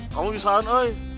kamu bisaan eh